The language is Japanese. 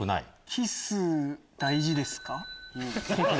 「キス大事ですか？」